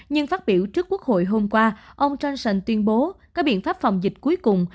nhưng phát biểu trước quốc hội hôm qua ông johnson tuyên bố có biện pháp phòng dịch cuối cùng